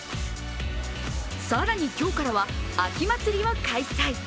更に、今日からは秋祭りを開催。